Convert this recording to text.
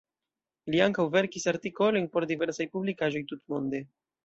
Li ankaŭ verkis artikolojn por diversaj publikaĵoj tutmonde.